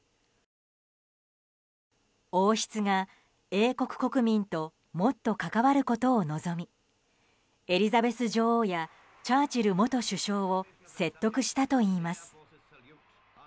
王室が、英国国民ともっと関わることを望みエリザベス女王やチャーチル元首相を説得したといいます。